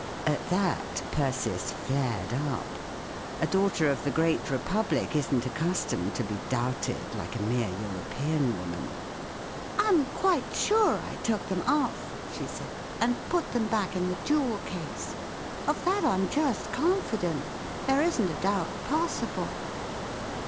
At that Persis flared up. A daughter of the great republic isn't accustomed to be doubted like a mere European woman. " I'm quite sure I took them off," she said, " and put them back in the jew'el case. Of that I'm just confident There isn't a doubt possible."